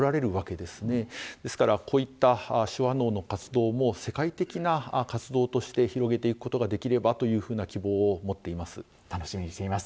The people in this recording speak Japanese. ですから、こういった手話能の活動も、世界的な活動として広げていくことができればというふうな楽しみにしています。